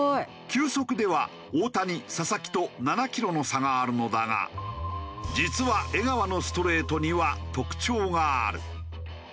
球速では大谷佐々木と７キロの差があるのだが実は江川のストレートには特長がある。